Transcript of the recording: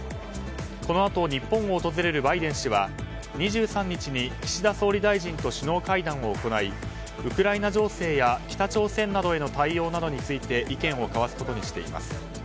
このあと日本を訪れるバイデン氏は２３日に岸田総理大臣と首脳会談を行いウクライナ情勢や北朝鮮などへの対応などについて意見を交わすことにしています。